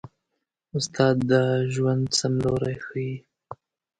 استاد د ژوند سم لوری ښيي.